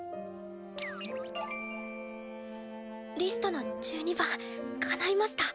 ピィーリストの１２番かないました。